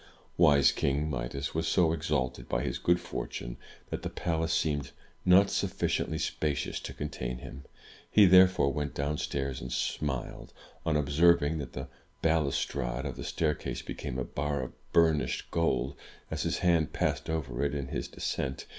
'* Wise King Midas was so exalted by his good fortune, that the palace seemed not sufficiently spacious to contain him. He therefore went downstairs, and smiled, on observing that the balustrade of the staircase became a bar of burnished gold, as his hand passed over it, in his descent.